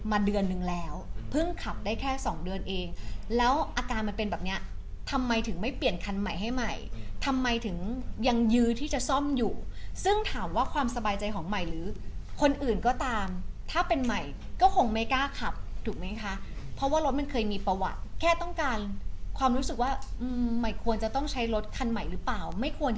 เดือนนึงแล้วเพิ่งขับได้แค่สองเดือนเองแล้วอาการมันเป็นแบบเนี้ยทำไมถึงไม่เปลี่ยนคันใหม่ให้ใหม่ทำไมถึงยังยื้อที่จะซ่อมอยู่ซึ่งถามว่าความสบายใจของใหม่หรือคนอื่นก็ตามถ้าเป็นใหม่ก็คงไม่กล้าขับถูกไหมคะเพราะว่ารถมันเคยมีประวัติแค่ต้องการความรู้สึกว่าใหม่ควรจะต้องใช้รถคันใหม่หรือเปล่าไม่ควร